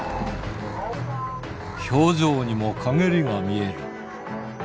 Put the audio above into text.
表情にもかげりが見える。